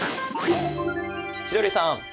千鳥さん